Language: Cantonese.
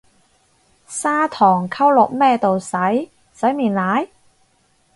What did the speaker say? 砂糖溝落咩度洗，洗面奶？